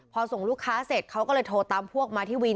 พอส่งลูกค้าเสร็จเขาก็เลยโทรตามพวกมาที่วิน